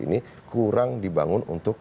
ini kurang dibangun untuk